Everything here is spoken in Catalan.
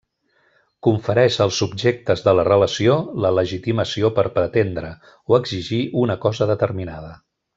Confereix als subjectes de la relació la legitimació per pretendre o exigir una cosa determinada.